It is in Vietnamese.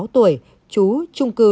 ba mươi sáu tuổi chú trung cư